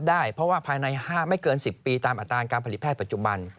ได้เพราะว่าภายในไม่เกิน๑๐ปีตามอัตราการผลิตแพทย์ปัจจุบัน